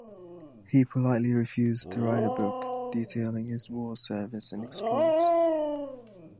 He politely refused to write a book detailing his war service and exploits.